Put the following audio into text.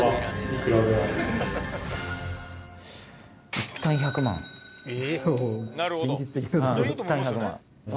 いったん１００万。え！